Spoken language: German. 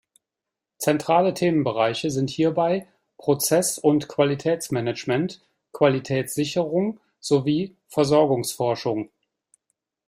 Zentrale Themenbereiche sind hierbei Prozess- und Qualitätsmanagement, Qualitätssicherung sowie Versorgungsforschung.